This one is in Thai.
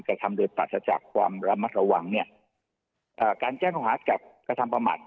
กระทำโดยปราศจากความระมัดระวังเนี่ยเอ่อการแจ้งเขาหากับกระทำประมาท